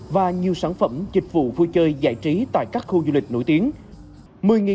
và nhiều sản phẩm dịch vụ vui chơi giải trí tại các khu du lịch nổi tiếng